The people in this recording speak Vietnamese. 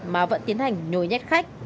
mà vẫn tiến hành nhồi nhét khách